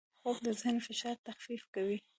خوب د ذهن فشار تخفیف کوي